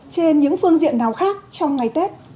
nên những phương diện nào khác trong ngày tết